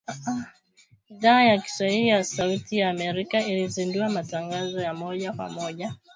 Idhaa ya Kiswahili ya Sauti ya Amerika ilizindua matangazo ya moja kwa moja kutoka studio zake mjini Washington.